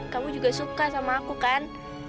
kamu juga suka sama aku kan